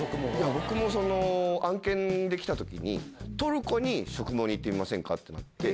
僕もその案件で来た時にトルコに植毛に行ってみませんかってなって。